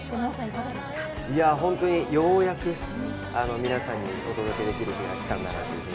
本当に、ようやく皆さんにお届けできる日が来たんだなと。